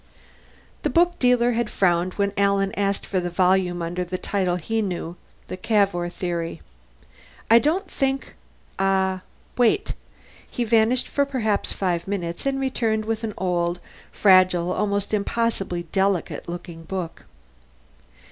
The book dealer had frowned when Alan asked for the volume under the title he knew. "The Cavour Theory? I don't think ah, wait." He vanished for perhaps five minutes and returned with an old, fragile, almost impossibly delicate looking book.